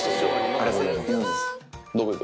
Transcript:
ありがとうございます。